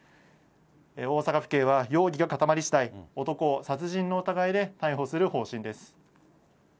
大阪府警は容疑が固まりしだい、男を殺人の疑いで逮捕する方針です。